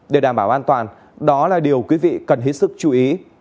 để đảm bảo an toàn đó là điều quý vị cần hết sức chú ý